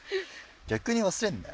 逆に忘れんなよ。